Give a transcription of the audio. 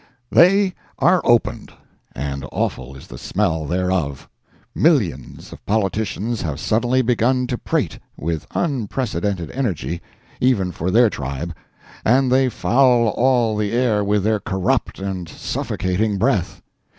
They are opened, and awful is the smell thereof! Millions of politicians have suddenly begun to prate, with unprecedented energy, even for their tribe, and they foul all the air with their corrupt and suffocating breath.